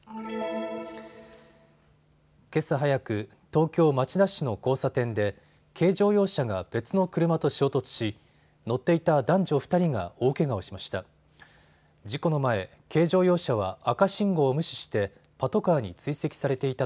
けさ早く、東京町田市の交差点で軽乗用車が別の車と衝突し、乗っていた男女２人が大けがをしました。